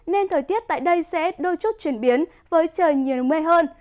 nên thời tiết tại đây sẽ đôi chút chuyển biến với trời nhiều mây hơn